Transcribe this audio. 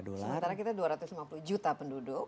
sementara kita dua ratus lima puluh juta penduduk